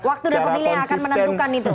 waktu dan pemilih yang akan menentukan itu